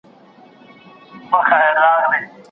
ښځه په خپل زوړ شال کې له ګرم باد څخه پناه اخیستې وه.